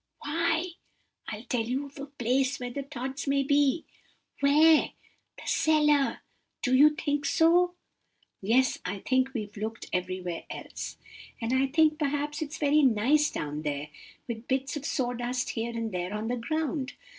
Why?' "'I'll tell you of a place where the Tods may be.' "'Where?' "'The cellar.' "'Do you think so?' "'Yes. I think we've looked everywhere else. And I think perhaps it's very nice down there with bits of sawdust here and there on the ground.